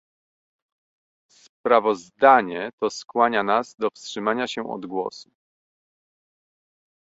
Sprawozdanie to skłania nas do wstrzymania się od głosu